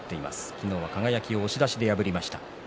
昨日は輝を押し出しで破りました。